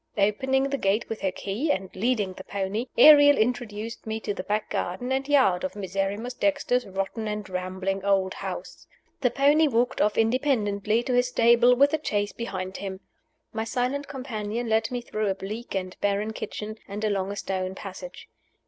Opening the gate with her key, and leading the pony, Ariel introduced me to the back garden and yard of Miserrimus Dexter's rotten and rambling old house. The pony walked off independently to his stable, with the chaise behind him. My silent companion led me through a bleak and barren kitchen, and along a stone passage.